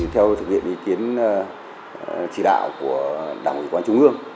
theo thực hiện ý kiến chỉ đạo của đảng ủy quan trung ương